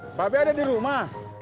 mbak be ada di rumah